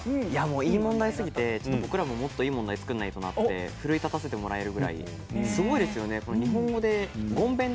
いい問題すぎて僕らもいい問題を作らないとなと奮い立たせてくれるくらいすごいですよね